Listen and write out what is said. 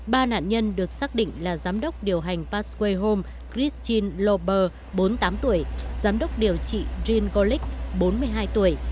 ba nạn nhân được xác định là giám đốc điều hành passway home christine loeber bốn mươi tám tuổi giám đốc điều trị jean golick bốn mươi hai tuổi